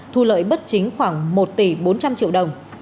thu lợi bất chính khoảng một tỷ bốn trăm linh triệu đồng